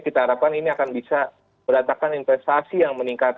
kita harapkan ini akan bisa berdatakan investasi yang meningkat